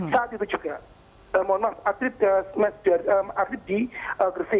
saat itu juga mohon maaf atlet di gresik